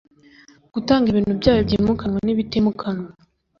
gutanga ibintu byayo byimukanwa n ibitimukanwa